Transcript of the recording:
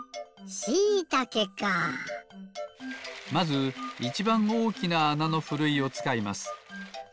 まずいちばんおおきなあなのふるいをつかいます。